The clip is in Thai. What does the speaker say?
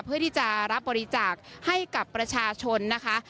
เพื่อที่จะรับบริจาคให้กับประชาชนนะคะ